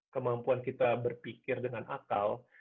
kemampuan kita berpikir dengan akal